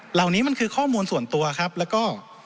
เหล่านี้มันคือข้อมูลส่วนตัวครับแล้วก็